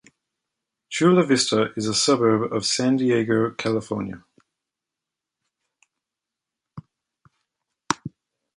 Chula Vista is a suburb of San Diego California.